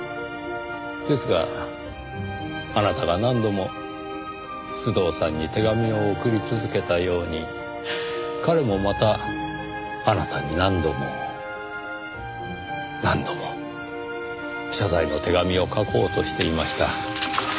ですがあなたが何度も須藤さんに手紙を送り続けたように彼もまたあなたに何度も何度も謝罪の手紙を書こうとしていました。